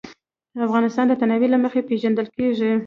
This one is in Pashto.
افغانستان د تنوع له مخې پېژندل کېږي.